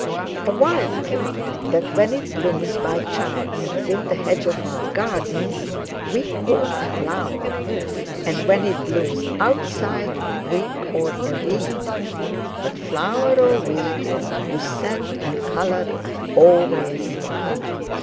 A wild plant that, when it blooms by chance within the hedge of our gardens, we call a flower; and when it blooms outside we call a weed; but, flower or weed, whose scent and colour are always, wild!